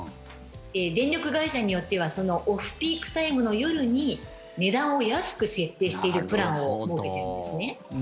電力会社によってはオフピークタイムの夜に値段を安く設定しているプランを設けてるんですね。